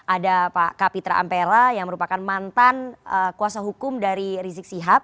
ada pak kapitra ampera yang merupakan mantan kuasa hukum dari rizik sihab